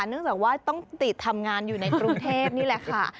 เนื่องจากว่าต้องติดทำงานอยู่ในกรุงเทพนี่แหละค่ะ